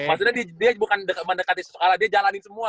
maksudnya dia bukan mendekati sosok allah dia jalanin semua